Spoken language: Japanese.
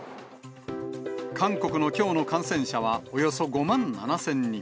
韓国のきょうの感染者はおよそ５万７０００人。